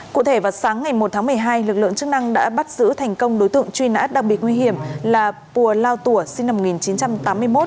cụ thể vào sáng ngày một tháng một mươi hai lực lượng chức năng đã bắt giữ thành công đối tượng truy nã đặc biệt nguy hiểm là pùa lao tùa sinh năm một nghìn chín trăm tám mươi một